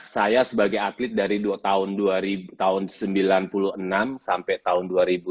saya sebagai atlet dari tahun sembilan puluh enam sampai tahun dua ribu sembilan